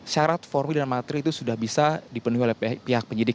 syarat formil dan materi itu sudah bisa dipenuhi oleh pihak penyidik